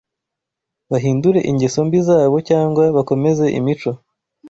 bahindure ingeso mbi zabo cyangwa bakomeze imico